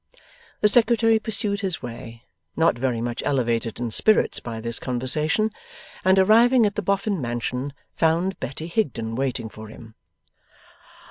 The Secretary pursued his way, not very much elevated in spirits by this conversation, and, arriving at the Boffin mansion, found Betty Higden waiting for him.